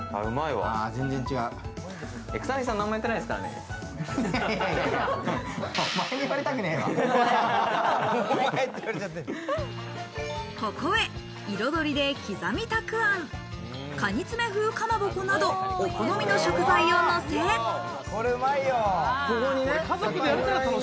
うまいわ。